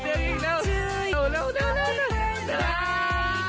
ดึงอีกดึงอีกดึงอีก